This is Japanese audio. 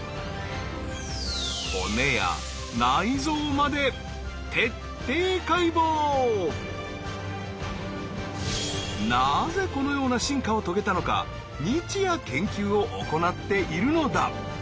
それが地球上のなぜこのような進化を遂げたのか日夜研究を行っているのだ。